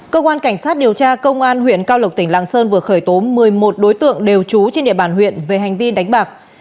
cơ quan cảnh sát điều tra công an huyện cao lộc tỉnh lạng sơn vừa khởi tố một mươi một đối tượng đều trú trên địa bàn huyện về hành vi đánh bạc